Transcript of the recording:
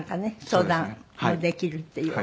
相談もできるっていう。